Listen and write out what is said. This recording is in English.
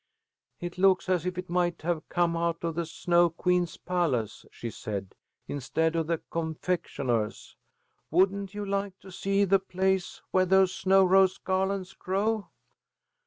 "It looks as if it might have come out of the Snow Queen's palace," she said, "instead of the confectionah's. Wouldn't you like to see the place where those snow rose garlands grow?"